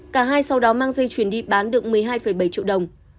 cả hai sau đó mang dây chuyển đi bán được một mươi hai bảy triệu đồng